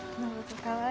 かわいい。